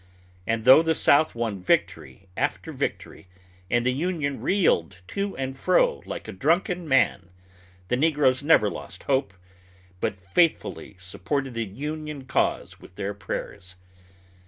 And though the South won victory after victory, and the Union reeled to and fro like a drunken man, the negroes never lost hope, but faithfully supported the Union cause with their prayers.